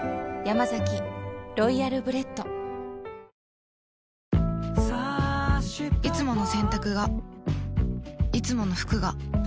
そこにいつもの洗濯がいつもの服が